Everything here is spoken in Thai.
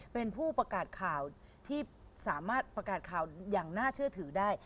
เป็นผู้ประกาศข่าวที่สามารถประกาศข่าวอย่างน่าเชื่อถือได้